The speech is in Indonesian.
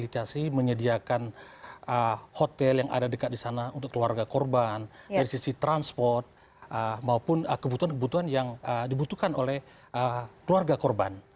fasilitasi menyediakan hotel yang ada dekat di sana untuk keluarga korban dari sisi transport maupun kebutuhan kebutuhan yang dibutuhkan oleh keluarga korban